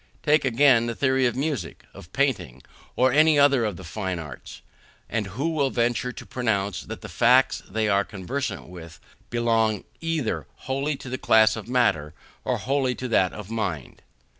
Take, again, the theory of music, of painting, of any other of the fine arts, and who will venture to pronounce that the facts they are conversant with belong either wholly to the class of matter, or wholly to that of mind?